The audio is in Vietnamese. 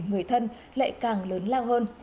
người thân lại càng lớn lao hơn